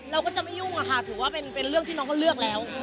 เราก็จะไม่ยุ่งอะค่ะถือว่าเป็นเรื่องที่น้องก็เลือกแล้ว